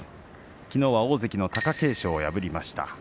きのうは大関の貴景勝を破りました。